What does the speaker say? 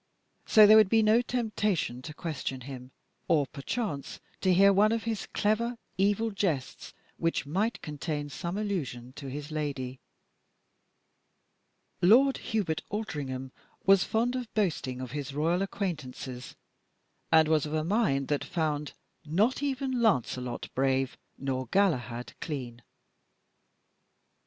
So there would be no temptation to question him, or perchance to hear one of his clever, evil jests which might contain some allusion to his lady. Lord Hubert Aldringham was fond of boasting of his royal acquaintances, and was of a mind that found "not even Lancelot brave, nor Galahad clean."